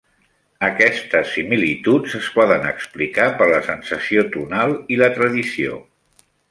Aquestes similituds es poden explicar per la sensació tonal i la tradició.